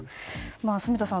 住田さん